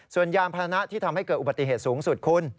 ส่วนยานพานะที่ทำให้เกิดอุบัติเหตุสูงสุดคุณ